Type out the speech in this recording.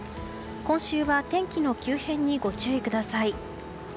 今週は天気の急変にご注意ください。